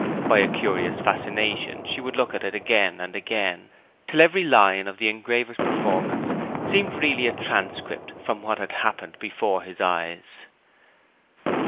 By a curious fascination she would look at it again and again, till every line of the engraver's performance seemed really a transcript from what had happened before his eyes.